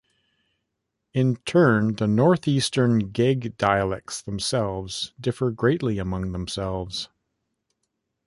In turn, the Northeastern Gheg dialects themselves differ greatly among themselves.